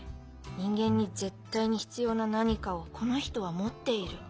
人間に絶対に必要な何かをこの人は持っている